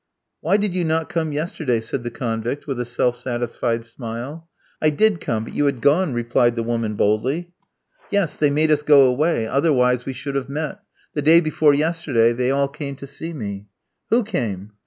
"Why did you not come yesterday?" said the convict, with a self satisfied smile. "I did come; but you had gone," replied the woman boldly. "Yes; they made us go away, otherwise we should have met. The day before yesterday they all came to see me." "Who came?"